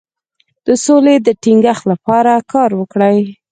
د سولې د ټینګښت لپاره کار وکړئ.